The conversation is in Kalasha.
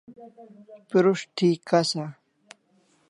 Prus't thi kasa